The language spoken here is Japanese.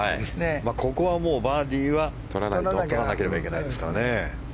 ここはバーディーは取らなければいけないですから。